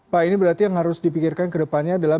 pak ini berarti yang harus dipikirkan ke depannya adalah